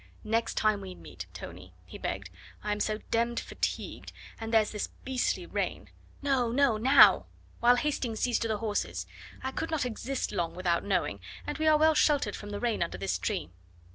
"Next time we meet, Tony," he begged; "I am so demmed fatigued, and there's this beastly rain " "No, no now! while Hastings sees to the horses. I could not exist long without knowing, and we are well sheltered from the rain under this tree."